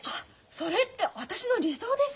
それって私の理想です。